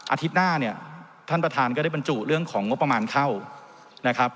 อาทิตย์หน้าเนี่ยท่านประธานก็ได้บรรจุเรื่องของงบประมาณเข้านะครับ